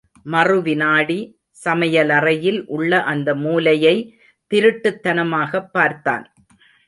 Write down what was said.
மறு வினாடி, சமயலறையில் உள்ள அந்த மூலையை திருட்டுத்தனமாகப் பார்த்தான்.